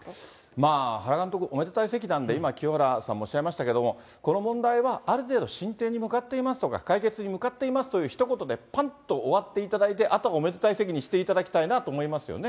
まあ、原監督、おめでたい席なんで、今、清原さんもおっしゃいましたけれども、この問題はある程度進展に向かっていますとか、解決に向かっていますというひと言でぱんと終わっていただいて、あとはおめでたい席にしていただきたいなと思いますよね。